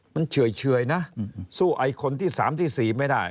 มันเฉื่อยนะสู้ไอ้คนที่๓ที่๔ไม่ได้